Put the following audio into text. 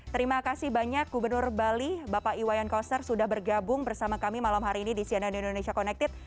terima kasih banyak gubernur bali bapak iwayan koster sudah bergabung bersama kami malam hari ini di cnn indonesia connected